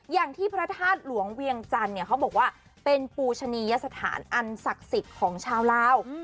อย่างที่พระธาตุหลวงเวียงจันทร์เนี่ยเขาบอกว่าเป็นปูชนียสถานอันศักดิ์สิทธิ์ของชาวลาว